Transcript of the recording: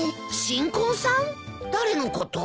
誰のこと？